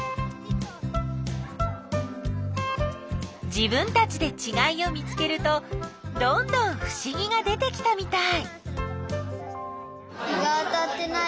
自分たちでちがいを見つけるとどんどんふしぎが出てきたみたい！